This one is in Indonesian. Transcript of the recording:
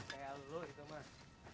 kayak lu gitu mas